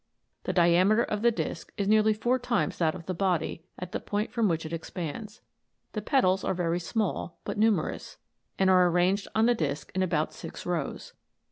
The diameter of the disc is nearly four times that of the body at the point from which it expands. The petals are very small, but numerous, and are ai'ranged on the disc in about six rows.